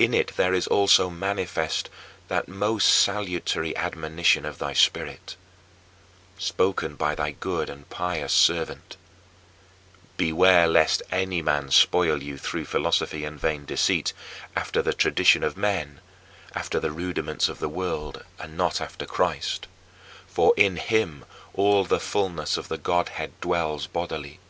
In it there is also manifest that most salutary admonition of thy Spirit, spoken by thy good and pious servant: "Beware lest any man spoil you through philosophy and vain deceit, after the tradition of men, after the rudiments of the world, and not after Christ: for in him all the fullness of the Godhead dwells bodily."